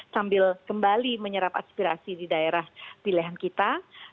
sambil kembali menyerap aspirasi di daerah pilihan kita